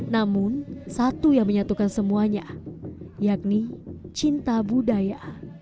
namun satu yang menyatukan semuanya yakni cinta budaya